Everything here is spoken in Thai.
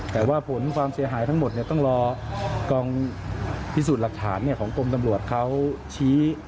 แต่ว่าผลความเสียหายทั้งหมดต้องรอกองพิสูจน์หลักฐานของกรมตำรวจเขาชี้